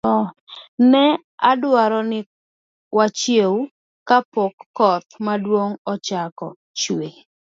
Ne adwaro ni wachiew kapok koth maduong' ochako chue.